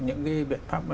những cái biện pháp